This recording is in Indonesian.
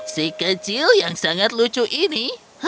si kecil yang sangat lucu ini